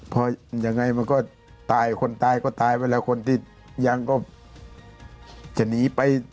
พอยังไงมันก็ตายคนตายก็ตายไปแล้วคนที่ยังก็จะหนีไป